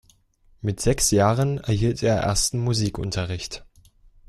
Mit sechs Jahren erhielt er ersten Musikunterricht.